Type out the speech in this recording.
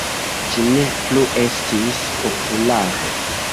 Ĝi ne plu estis populara.